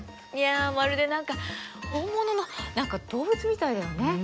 いやまるで何か本物の動物みたいだよね。